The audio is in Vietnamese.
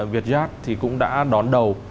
việt yard thì cũng đã đón đầu